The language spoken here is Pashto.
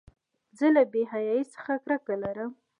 زه له بېحیایۍ څخه کرکه لرم.